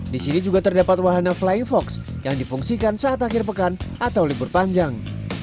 di sini juga terdapat wahana flying fox yang difungsikan saat akhir pekan atau libur panjang